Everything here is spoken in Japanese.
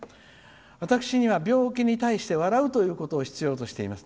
私には病気に対して笑うということを必要としています。